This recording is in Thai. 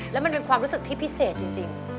แล้วมันเป็นความรู้สึกที่พิเศษจริง